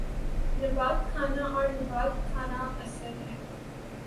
نبات خانہ اور نبات خانہ اثر ہیں